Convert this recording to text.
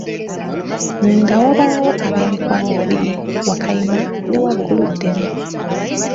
Nga wabaawo ab’emikwano babiri: Wakayima ne Wagguluddene.